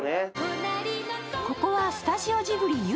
ここはスタジオジブリ